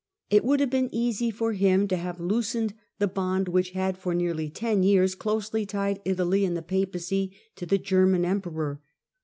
It would have been easy for him to have loosened the bond which had for nearly ten years closely tied Italy and the Papacy to the German emperor.